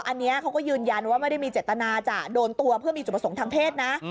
อันนี้เขาก็ยืนยันว่าไม่ได้มีเจตนาจะโดนตัวเพื่อมีจุดประสงค์ทางเพศนะ